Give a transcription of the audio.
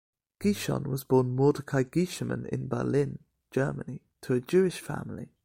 Gichon was born Mordechai Gicherman in Berlin, Germany, to a Jewish family.